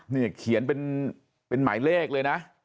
นี่เขียนเป็นหมายเลขเลยนะ